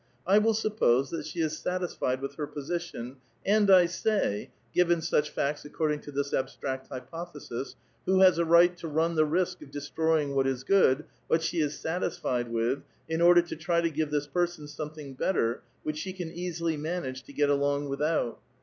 I will suppose that she is satisfied ^ith her position, and I say : given such facts according to this abstract hypothesis, who has a right to run the risk of destaT oying what is good, what she is satisfied with, in order ^ trj7 to give this person something better, which she can ^asiljr manage to get along without.